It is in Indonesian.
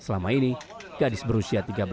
selama ini gadis berusia tiga belas tahun